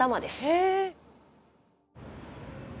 へえ。